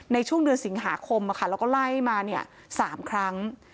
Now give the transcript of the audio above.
ในช่วงเดือนสิงหาคมแล้วก็ไล่มา๓ครั้ง